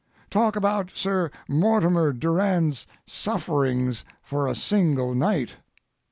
Talk about Sir Mortimer Durand's sufferings for a single night!